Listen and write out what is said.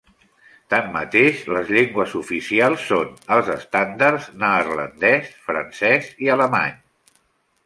Tanmateix les llengües oficials són els estàndards neerlandès, francès i alemany.